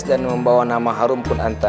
dan membawa nama harum pun anta